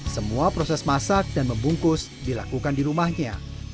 semua proses masak dan membungkus dilakukan di rumahnya